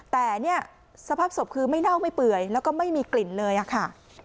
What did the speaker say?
แต่เนี่ยสภาพศพคือไม่เน่าไม่เปื่อยแล้วก็ไม่มีกลิ่นเลยค่ะ